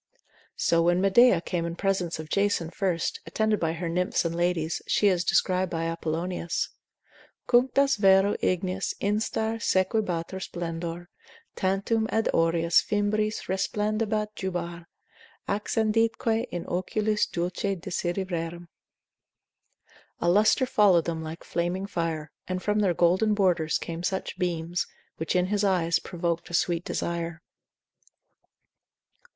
So when Medea came in presence of Jason first, attended by her nymphs and ladies, as she is described by Apollonius, Cunctas vero ignis instar sequebatur splendor, Tantum ab aureis fimbriis resplendebat jubar, Accenditque in oculis dulce desiderium. A lustre followed them like flaming fire, And from their golden borders came such beams, Which in his eyes provok'd a sweet desire.